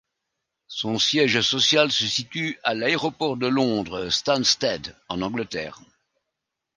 Son siège social se situe à l'aéroport de Londres Stansted en Angleterre.